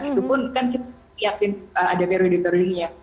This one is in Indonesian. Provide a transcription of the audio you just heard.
itu pun kan kita lihatin ada periodik teringnya